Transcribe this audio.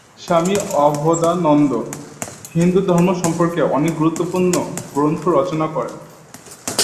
স্বামী অভেদানন্দ হিন্দুধর্ম সম্পর্কে অনেক গুরুত্বপূর্ণ গ্রন্থ রচনা করেন।